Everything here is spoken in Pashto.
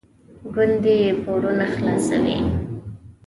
ګوندې پورونه خلاصوي.